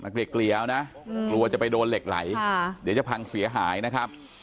เกลียวนะกลัวจะไปโดนเหล็กไหลเดี๋ยวจะพังเสียหายนะครับ